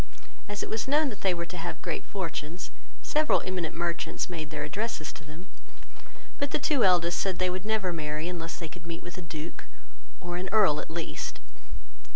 As it was known that they were to have great fortunes, several eminent merchants made their addresses to them; but the two eldest said they would never marry, unless they could meet with a Duke, or an Earl at least.